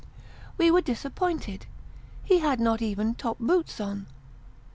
We were disappointed ; he had not even top boots on.